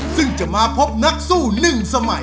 ซึ่งจะมาพบนักสู้๑สมัย